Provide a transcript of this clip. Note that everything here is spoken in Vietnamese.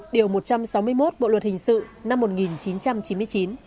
điều một trăm sáu mươi một bộ luật hình sự năm một nghìn chín trăm chín mươi chín